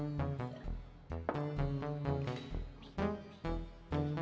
mbak be mbak be aduh